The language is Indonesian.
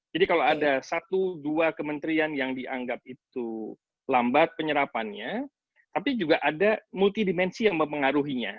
jadi kalau ada satu dua kementerian yang dianggap itu lambat penyerapannya tapi juga ada multi dimensi yang mempengaruhinya